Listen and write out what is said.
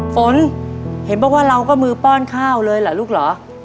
ฝนเห็นบอกว่าเราก็มือป้อนข้าวเลยเหรอลูกเหรอ